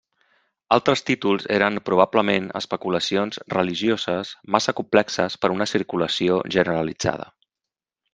Altres títols eren probablement especulacions religioses massa complexes per una circulació generalitzada.